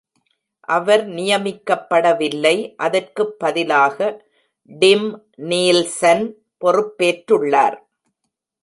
அவர் நியமிக்கப்படவில்லை, அதற்கு பதிலாக டிம் நீல்சன் பொறுப்பேற்றுள்ளார்.